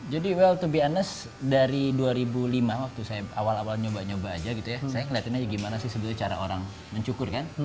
jadi well to be honest dari dua ribu lima waktu saya awal awal nyoba nyoba aja gitu ya saya ngeliatin aja gimana sih sebenarnya cara orang mencukur kan